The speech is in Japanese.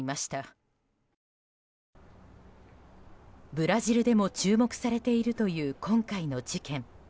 ブラジルでも注目されているという今回の事件。